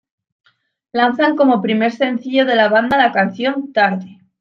Lanzan como primer sencillo de la banda la canción "Tarde".